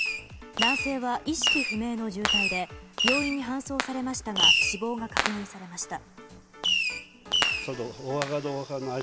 男性は意識不明の重体で病院に搬送されましたが死亡が確認されました。